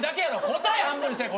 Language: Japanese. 答え半分にせえ！